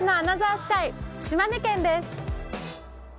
スカイ島根県です。